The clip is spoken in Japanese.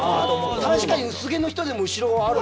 確かに薄毛の人でも後ろはある。